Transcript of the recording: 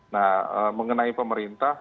nah mengenai pemerintah